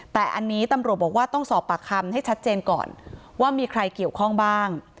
แต่อันนี้ตำรวจบอกว่าต้องสอบปากคำให้ชัดเจนก่อนว่ามีใครเกี่ยวข้องบ้าง